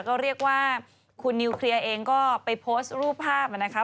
ก็เรียกว่าคุณนิวเคลียร์เองก็ไปโพสต์รูปภาพนะคะ